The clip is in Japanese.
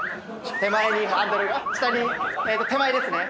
手前にハンドルが下に手前ですね。